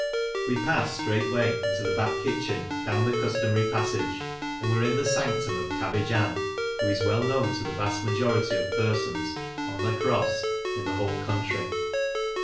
We passed straightway into the back kitchen down the customary passage, and were in the sanctum of " Cabbage Ann," who is well known to the vast majority of persons " on the cross" in the whole country.